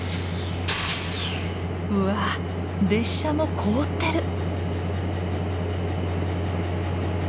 うわ列車も凍ってる！